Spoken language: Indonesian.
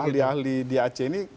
ahli ahli di aceh ini